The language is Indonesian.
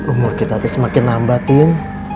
umur kita semakin nambah tim